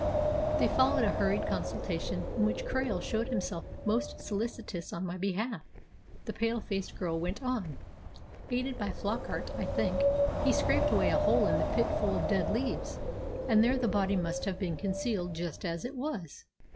"Then followed a hurried consultation, in which Krail showed himself most solicitous on my behalf," the pale faced girl went on. "Aided by Flockart, I think, he scraped away a hole in a pit full of dead leaves, and there the body must have been concealed just as it was.